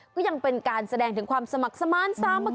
ก็ยังเป็นการแสดงถึงความสมัครสมานท์ส้ามเต้าปะ